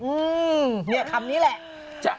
อื้อคำนี้แหละ